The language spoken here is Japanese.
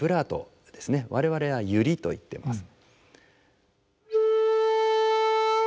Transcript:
我々はユリといってます。